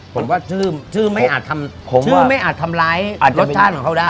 ผมว่าชื่อชื่อไม่อาจทำชื่อไม่อาจทำไรรสชาติของเขาได้